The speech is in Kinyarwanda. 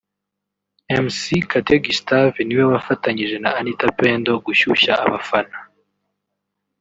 Mc Kate Gustave niwe wafatanyije na Anita Pendo gushyushya abafana